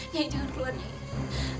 nyai jangan keluar nyai